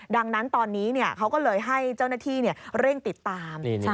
ดังนั้นตอนนี้เขาก็เลยให้เจ้าหน้าที่เร่งติดตาม